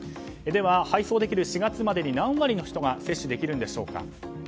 では、配送できる４月までに何割の人が接種できるんでしょうか。